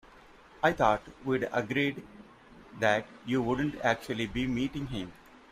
I thought we'd agreed that you wouldn't actually be meeting him?